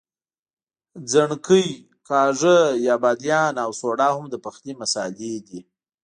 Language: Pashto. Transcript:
ځڼکۍ، کاږه یا بادیان او سوډا هم د پخلي مسالې دي.